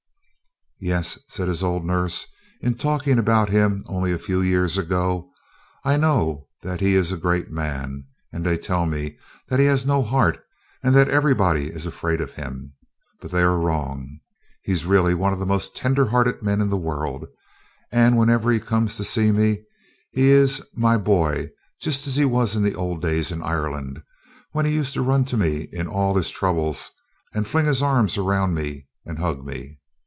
"Yes," said his old nurse, in talking about him only a few years ago, "I know that he is a great man; and they tell me that he has no heart, and that everybody is afraid of him; but they are wrong. He is really one of the most tender hearted men in the world; and whenever he comes to see me, he is 'my boy' just as he was in the old days in Ireland, when he used to run to me in all his troubles, and fling his arms around me and hug me.